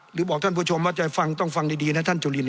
หรือบอกท่านผู้ชมว่าจะฟังต้องฟังดีนะท่านจุลิน